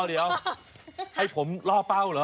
เดี๋ยวให้ผมล่อเป้าเหรอ